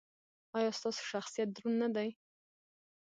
ایا ستاسو شخصیت دروند نه دی؟